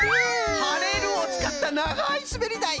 「はれる」をつかったながいすべりだい！